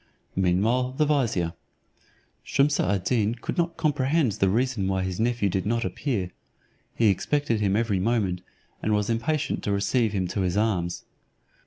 Meanwhile, the vizier. Shumse ad Deen could not comprehend the reason why his nephew did not appear; he expected him every moment, and was impatient to receive him to his arms.